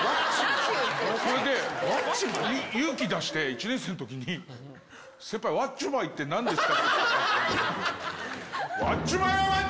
それで、勇気出して、１年生のときに先輩、ワッチマーイってなんですか？